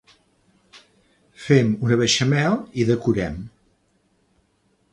Fem una beixamel i decorem.